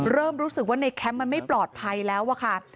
เริ่มรู้สึกว่าในแคมป์มันไม่ปลอดภัยแล้วอะค่ะ